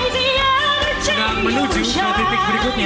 sedang menuju ke titik berikutnya